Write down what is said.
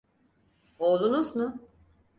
Oğlunuz mu?